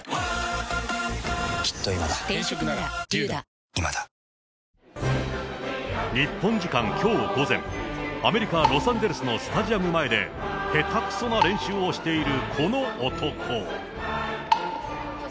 クリニカアドバンテージ日本時間きょう午前、アメリカ・ロサンゼルスのスタジアム前で、へたくそな練習をしているこの男。